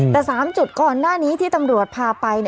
แต่๓จุดก่อนหน้านี้ที่ตำรวจพาไป